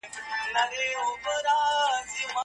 لاسي صنایعو ته ارزښت ورکړئ.